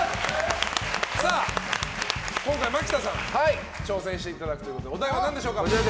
今回、マキタさん挑戦していただくということでお題は何でしょうか？